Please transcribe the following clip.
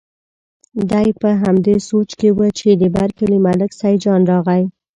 دی په همدې سوچ کې و چې د بر کلي ملک سیدجان راغی.